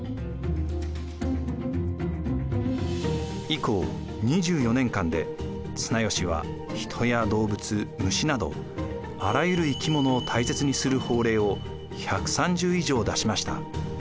以降２４年間で綱吉は人や動物虫などあらゆる生き物を大切にする法令を１３０以上出しました。